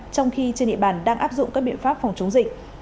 trong khi trên địa bàn đang áp dụng các biện pháp phòng chống dịch